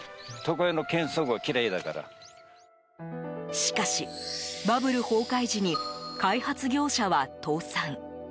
しかし、バブル崩壊時に開発業者は倒産。